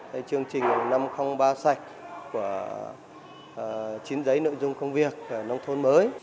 hay chương trình năm trăm linh ba sạch của chín giấy nội dung công việc nông thôn mới